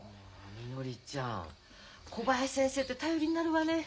みのりちゃん小林先生って頼りになるわね！